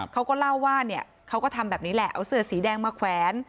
เขาก็เล่าว่าเนี่ยเขาก็ทำแบบนี้แหละเอาเสือสีแดงมาแขวน